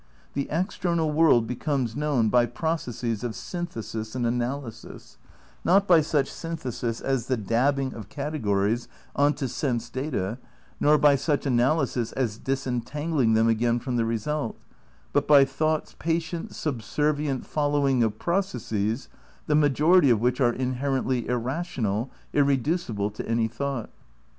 The external world becomes known by processes of synthesis and analysis : not by such synthesis as the dabbing of categories on to sense data, nor by such analysis as disentangling them again from the result; but by thought's patient, subservient following of processes the majority of which are inherently irrational, irreducible to any thought.